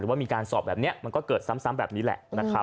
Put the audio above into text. หรือว่ามีการสอบแบบนี้มันก็เกิดซ้ำแบบนี้แหละ